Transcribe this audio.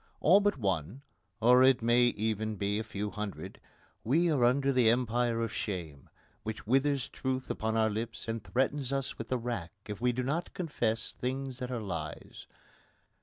All but one or it may even be a few hundred we are under the empire of shame, which withers truth upon our lips and threatens us with the rack if we do not confess things that are lies.